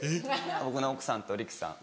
僕の奥さんと力さん。